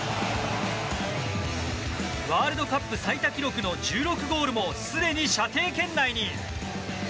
ワールドカップ最多記録の１６ゴールもすでに射程圏内に。